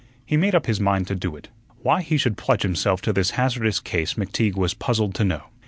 He made up his mind to do it. Why he should pledge himself to this hazardous case McTeague was puzzled to know.